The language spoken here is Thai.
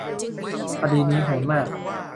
คดีนี้โหดมาก